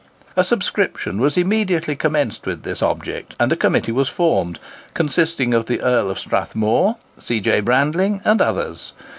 A subscription was immediately commenced with this object, and a committee was formed, consisting of the Earl of Strathmore, C. J. Brandling, and others.